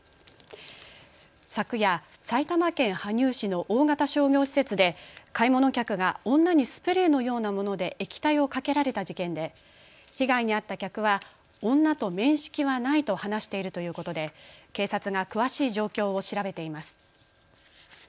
昨夜、埼玉県羽生市の大型商業施設で買い物客が女にスプレーのようなもので液体をかけられた事件で被害に遭った客は女と面識はないと話しているということで警察が詳しい状況を調べています。